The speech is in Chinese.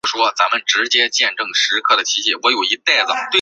一般男生组前四名将来年公开组男生第二级。